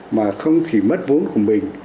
mà không chỉ mất vốn của mình